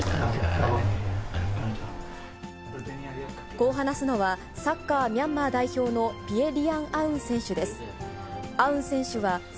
こう話すのは、サッカーミャンマー代表のピア・リヤン・アウン選手です。